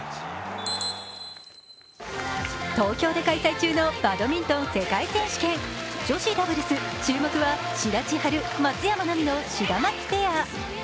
東京で開催中のバドミントン世界選手権女子ダブルス、注目は志田千陽、松山奈未のシダマツペア。